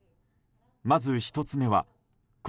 まず１つ目は故